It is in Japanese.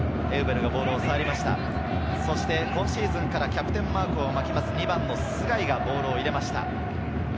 今シーズンからキャプテンマークを巻きます、２番・須貝がボールを入れました。